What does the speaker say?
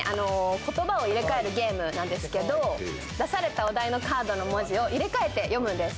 言葉を入れ替えるゲームなんですけど出されたお題のカードの文字を入れ替えて読むんです。